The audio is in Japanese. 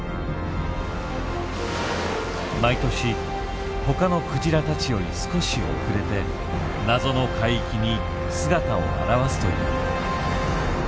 毎年ほかのクジラたちより少し遅れて謎の海域に姿を現すという。